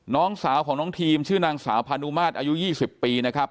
น้องสาวของน้องทีมชื่อนางสาวพานุมาตรอายุ๒๐ปีนะครับ